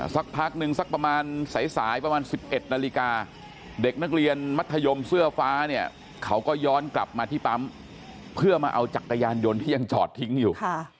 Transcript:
สักพักนึงสักประมาณสายประมาณ๑๑นาฬิกาเด็กนักเรียนมัธยมเสื้อฟ้าเนี่ยเขาก็ย้อนกลับมาที่ปั๊มเพื่อมาเอาจักรยานยนต์ที่ยังจอดทิ้งอยู่